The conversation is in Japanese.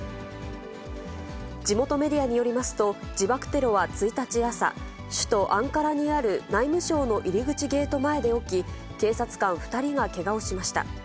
地元メディアによりますと、自爆テロは１日朝、首都アンカラにある内務省の入り口ゲート前で起き、警察官２人がけがをしました。